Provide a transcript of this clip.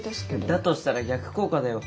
だとしたら逆効果だよ。